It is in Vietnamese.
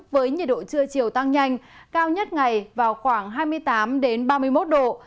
với nhiệt độ trưa chiều tăng nhanh cao nhất ngày vào khoảng hai mươi tám ba mươi một độ